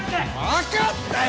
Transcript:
分かったよ